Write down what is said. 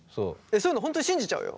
そういうの本当に信じちゃうよ？